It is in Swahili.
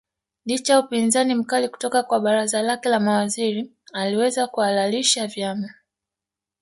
Licha ya upinzani mkali kutoka kwa baraza lake la mawaziri aliweza kuhalalisha vyama